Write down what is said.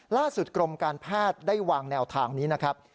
กรมการแพทย์ได้วางแนวทางนี้นะครับ